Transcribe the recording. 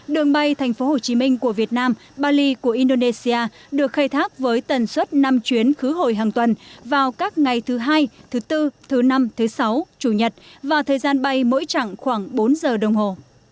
đường bay thành phố hồ chí minh của việt nam bali của indonesia được khai thác với tần suất năm chuyến khứ hội hàng tuần vào các ngày thứ hai thứ tư thứ năm thứ sáu chủ nhật và thời gian bay mỗi chặng khoảng bốn giờ đồng hồ